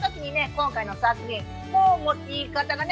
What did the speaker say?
今回の作品もう持ち方がね